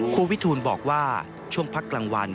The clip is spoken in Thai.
ครูวิทูลบอกว่าช่วงพักกลางวัน